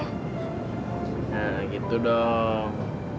nah gitu dong